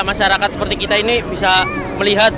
masyarakat seperti kita ini bisa melihat